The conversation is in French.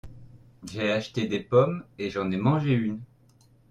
J'ai acheté des pommes et j'en ai mangé une.